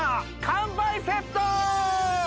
乾杯セット！